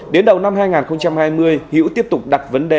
đến đầu năm hai nghìn hai mươi hữu tiếp tục đặt vấn đề